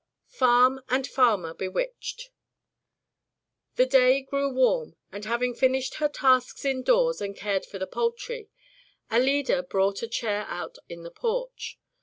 Farm and Farmer Bewitched The day grew warm, and having finished her tasks indoors and cared for the poultry, Alida brought a chair out in the porch.